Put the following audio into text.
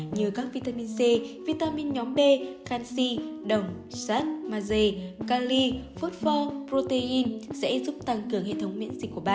như các vitamin c vitamin nhóm b canxi đồng sát maze cali phốt pho protein sẽ giúp tăng cường hệ thống miễn dịch của bạn